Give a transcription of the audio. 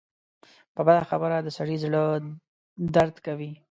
په بده خبره د سړي زړۀ دړد کوي